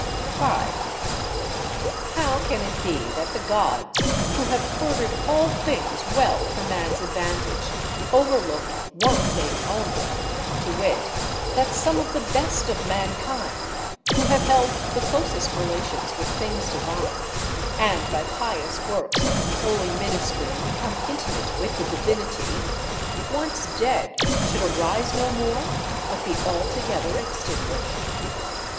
5. How can it be that the Gods, who have ordered all things well for man's advantage, overlooked one thing only, to wit that some of the best of mankind, who have held the closest relations with things divine, and by pious works and holy ministry become intimate with the Divinity, once dead, should arise no more, but be altogether extinguished?